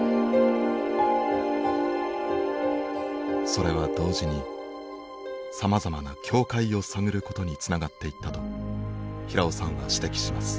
それは同時にさまざまな境界を探ることにつながっていったと平尾さんは指摘します。